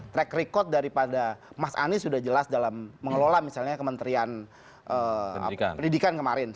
track record daripada mas anies sudah jelas dalam mengelola misalnya kementerian pendidikan kemarin